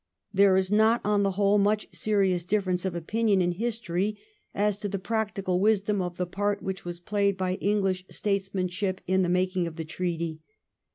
There is 1713 THE VERDICT OF HISTORY. 147 not on the whole much serious difference of opinion in history as to the practical wisdom of the part which was played by English statesmanship in the making of the treaty.